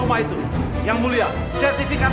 untuk pembunuhan ibu iya